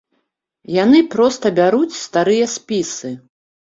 Яны проста бяруць старыя спісы.